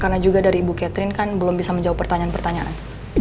karena juga dari ibu catherine kan belum bisa menjawab pertanyaan pertanyaan